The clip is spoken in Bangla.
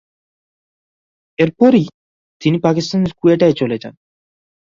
এরপরই তিনি পাকিস্তানের কোয়েটায় চলে যান।